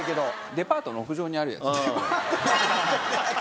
デパートの屋上にあるやつ。